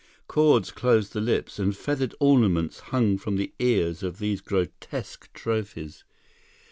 Cords closed the lips, and feathered ornaments hung from the ears of these grotesque trophies.